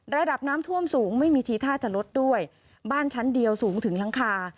ระดับน้ำท่วมสูงไม่มีทีท่าจะลดด้วยบ้านชั้นเดียวสูงถึงหลังคา